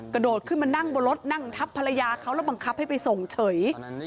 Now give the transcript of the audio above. กระโดดขึ้นมานั่งบนรถนั่งทับภรรยาเขาแล้วบังคับให้ไปส่งเฉย